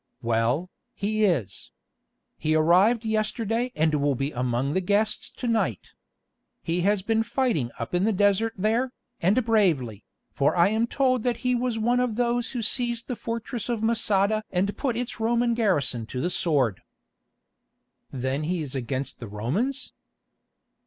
"Well, he is. He arrived yesterday and will be among the guests to night. He has been fighting up in the desert there, and bravely, for I am told that he was one of those who seized the fortress of Masada and put its Roman garrison to the sword." "Then he is against the Romans?"